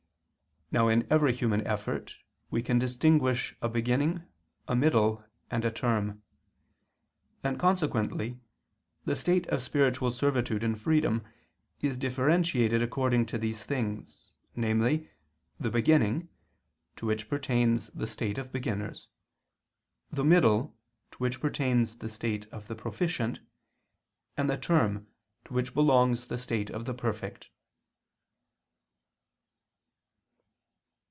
Now in every human effort we can distinguish a beginning, a middle, and a term; and consequently the state of spiritual servitude and freedom is differentiated according to these things, namely, the beginning to which pertains the state of beginners the middle, to which pertains the state of the proficient and the term, to which belongs the state of the perfect.